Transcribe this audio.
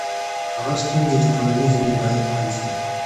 هغه ستونزي چي ټولنیزي دي باید حل سي.